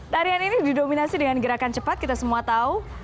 tarian ini didominasi dengan gerakan cepat kita semua tahu